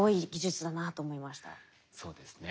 そうですね。